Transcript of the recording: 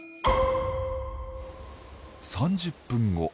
３０分後。